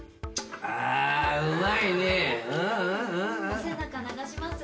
お背中流します。